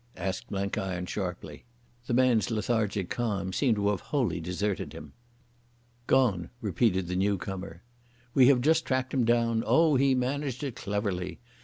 asked Blenkiron sharply. The man's lethargic calm seemed to have wholly deserted him. "Gone," repeated the newcomer. "We have just tracked him down. Oh, he managed it cleverly.